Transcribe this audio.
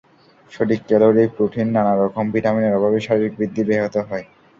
সঠিক calorie, protein, নানা রকম ভিটামিনের অভাবে শারীরিক বৃদ্ধি ব্যাহত হয়।